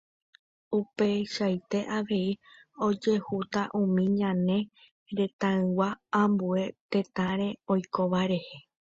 Upeichaite avei ojehúta umi ñane retãygua ambue tetãre oikóva rehe.